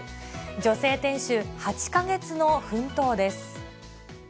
女性店主、８か月の奮闘です。